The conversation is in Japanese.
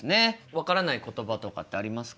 分からない言葉とかってありますか？